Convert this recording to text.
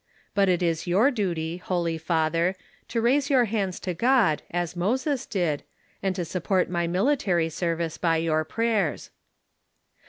But it is your duty, holy father, to raise your hands to God, as Moses did, and to sup port my military service by your prayers."